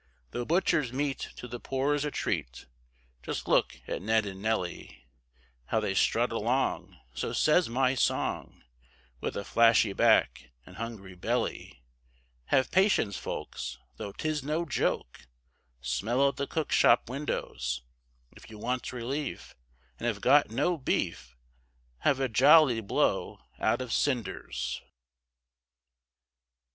Though butchers' meat to the poor's a treat, Just look at Ned and Nelly, How they strut along, so says my song, With a flashy back and hungry belly. Have patience, folks, though 'tis no joke, Smell at the cook shop windows, If you want relief, and have got no beef, Have a jolly blow out of cinders.